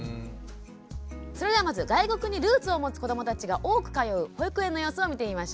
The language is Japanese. それではまず外国にルーツを持つ子どもたちが多く通う保育園の様子を見てみましょう。